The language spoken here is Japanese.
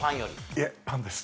いえパンです。